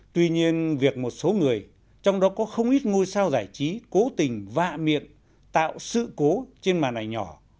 tuy nhiên việc một số người trong đó có không ít ngôi sao giải trí cố tình vạ miệng tạo sự cố trên màn ảnh nhỏ